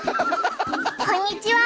こんにちは。